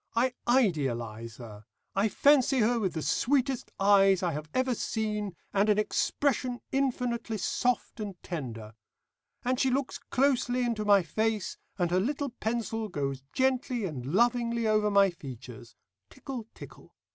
I idealise her; I fancy her with the sweetest eyes I have ever seen, and an expression infinitely soft and tender. And she looks closely into my face, and her little pencil goes gently and lovingly over my features. Tickle, tickle.